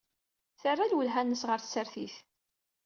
Terra lwelha-nnes ɣer tsertit.